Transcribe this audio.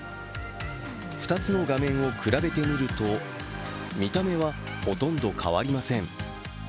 ２つの画面を比べてみると、見た目はほとんど変わりません。